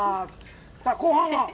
さあ後半は？